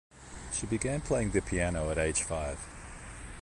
She began playing piano at age five.